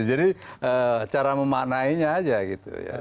jadi cara memanainya aja gitu ya